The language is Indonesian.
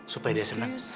supaya dia senang